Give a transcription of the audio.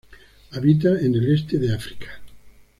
Habita en el este de África.